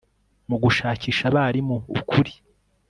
Mugushakisha abarimu ukuri